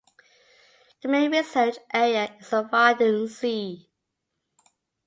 The main research area is the Wadden Sea.